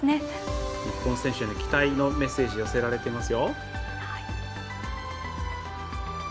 日本選手への期待のメッセージが寄せられています。